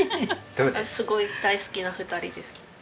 すごい大好きな２人です。